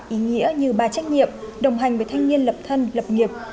ý nghĩa như ba trách nhiệm đồng hành với thanh niên lập thân lập nghiệp